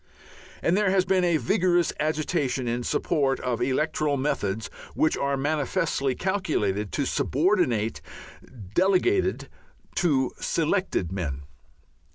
And there has been a vigorous agitation in support of electoral methods which are manifestly calculated to subordinate "delegated" to "selected" men.